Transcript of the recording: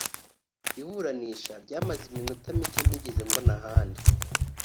Iburanisha ryamaze iminota mike ntigeze mbona ahandi